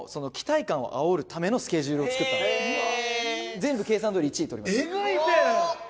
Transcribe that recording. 全部計算どおり１位とりました。